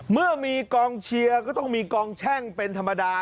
เมื่อมีกองเชียร์ก็ต้องมีกองแช่งเป็นธรรมดา